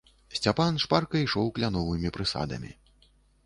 Сцяпан шпарка ішоў кляновымі прысадамі.